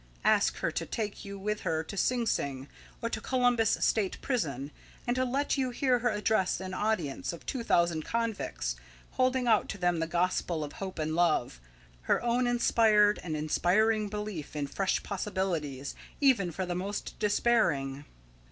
Ask her to take you with her to Sing Sing, or to Columbus State Prison, and to let you hear her address an audience of two thousand convicts, holding out to them the gospel of hope and love, her own inspired and inspiring belief in fresh possibilities even for the most despairing."